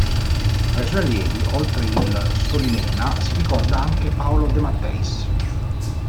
Fra i suoi allievi, oltre il Solimena, si ricorda anche Paolo De Matteis.